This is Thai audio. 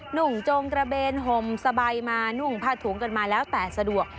่งจงกระเบนห่มสบายมานุ่งผ้าถุงกันมาแล้วแต่สะดวก